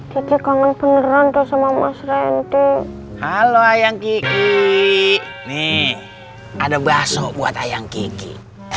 kiki kangen beneran tuh sama mas randy halo ayang kiki nih ada basuh buat ayang kiki